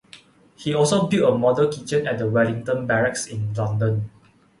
He also built a model kitchen at the Wellington Barracks in London.